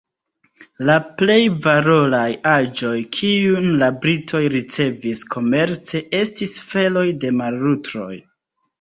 La plej valoraj aĵoj kiujn la Britoj ricevis komerce estis feloj de mar-lutroj.